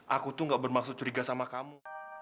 aku tuh gak bermaksud curiga sama kamu